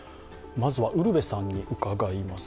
まずはウルヴェさんに伺います。